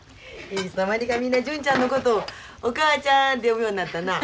いつの間にかみんな純ちゃんのことをお母ちゃんて呼ぶようになったな。